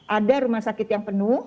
ada rumah sakit yang penuh